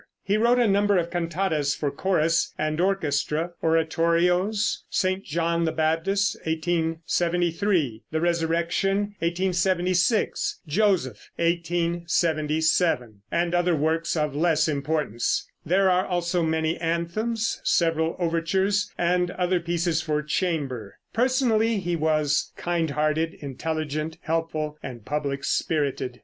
He wrote a number of cantatas for chorus and orchestra, oratorios, "St. John the Baptist" (1873), "The Resurrection" (1876), "Joseph" (1877), and other works of less importance. There are also many anthems, several overtures and other pieces for chamber. Personally he was kind hearted, intelligent, helpful and public spirited.